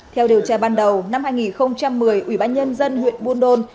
theo điều tra ban đầu năm hai nghìn một mươi ủy ban nhân dân huyện buôn đôn